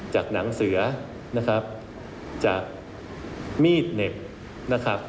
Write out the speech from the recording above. จากหนังเสือจากมีดเหน็บ